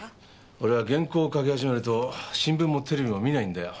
俺は原稿を書き始めると新聞もテレビも見ないんだよ。